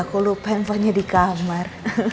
aku lupa handphonenya di kamar